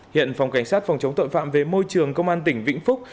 hiện phòng cảnh sát phòng chống tội phạm về môi trường công an tỉnh vĩnh phúc